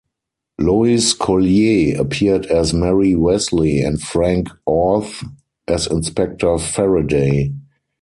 Lois Collier appeared as Mary Wesley and Frank Orth was Inspector Farraday.